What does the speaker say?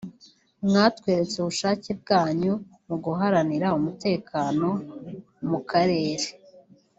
mwatweretse ubushake bwanyu mu guharanira umutekano mu karere”